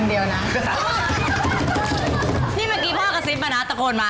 นี่เมื่อกี้พ่อกระซิบมานะตะโกนมา